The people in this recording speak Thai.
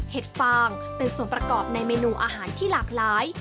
ฟางเป็นส่วนประกอบในเมนูอาหารที่หลากหลาย